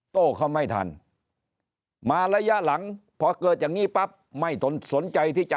โต้เขาไม่ทันมาระยะหลังพอเกิดอย่างนี้ปั๊บไม่สนใจที่จะ